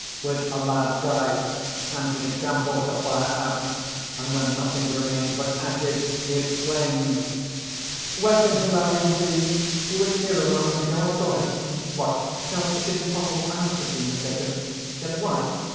_ With a loud cry, Anthony tramples the fire out; and, when nothing remains but ashes, he exclaims: ) "Where can Hilarion be? He was here a moment ago. I saw him! "What! No; it is impossible; I must have been mistaken! "Yet why?...